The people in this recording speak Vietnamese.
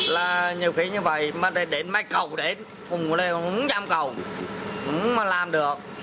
là nhiều khi như vậy mà đến mấy cầu đến cũng không dám cầu không làm được